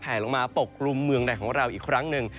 แผ่ลงมาปกรุมเมืองในของเราอีกครั้งนึง